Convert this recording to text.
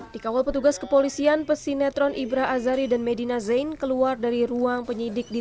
dikawal petugas kepolisian pesinetron ibrah azari dan medina zain keluar dari ruang penyidik di